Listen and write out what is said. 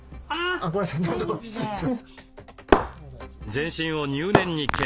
全身を入念に検査。